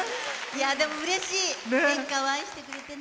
うれしい演歌を愛してくれてね。